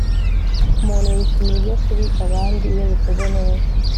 umuntu yishimira ibyo asubiza abandi, iyo abikoze neza